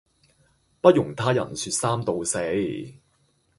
不容他人說三道四